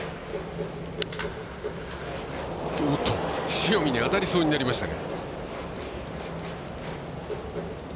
塩見に当たりそうになりましたが。